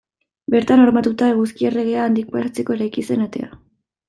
Bertan hormatuta, Eguzki Erregea handik pasatzeko eraiki zen atea.